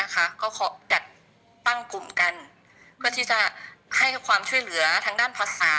ก็ขอจัดตั้งกลุ่มกันเพื่อที่จะให้ความช่วยเหลือทางด้านภาษา